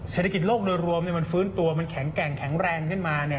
เศรษฐกิจโลกโดยรวมมันฟื้นตัวแข็งแกร่งขึ้นมา